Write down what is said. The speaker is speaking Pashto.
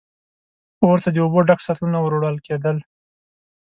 اور ته د اوبو ډک سطلونه ور وړل کېدل.